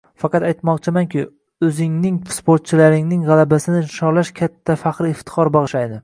Faqat aytmoqchimanki, o‘zingning sportchilaringning g‘alabasini nishonlash katta faxr-iftixor bag‘ishlaydi.